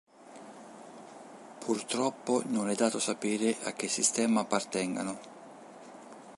Purtroppo non è dato sapere a che sistema appartengano.